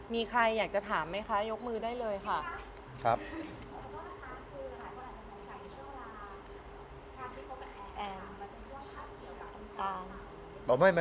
มีใครอยากจะถามไหมคะยกมือได้เลยค่ะ